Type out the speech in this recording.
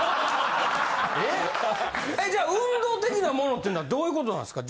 じゃあ運動的なものっていうのはどういう事なんですか？